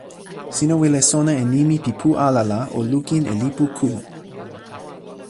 sina wile sona e nimi pi pu ala la o lukin e lipu ku.